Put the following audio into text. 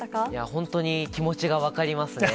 本当に気持ちが分かりますね。